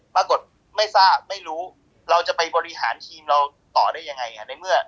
ปรากฏไม่ทราบไม่รู้เราจะไปบริหารทีมเราต่อได้ยังไงในเมื่อ